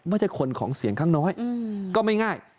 ไม่ใช่คนของเสียงข้างน้อยก็ไม่ง่าย